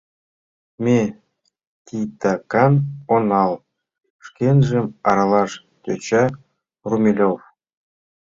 — Ме титакан онал, — шкенжым аралаш тӧча Румелёв.